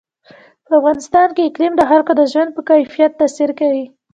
په افغانستان کې اقلیم د خلکو د ژوند په کیفیت تاثیر کوي.